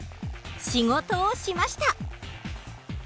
仕事をしました。